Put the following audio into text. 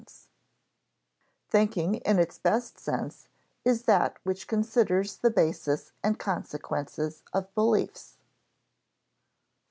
[Sidenote: Thinking in its best sense is that which considers the basis and consequences of beliefs] IV.